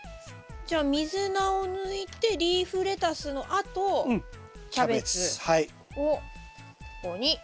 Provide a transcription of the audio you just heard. じゃあミズナを抜いてリーフレタスのあとキャベツをここに。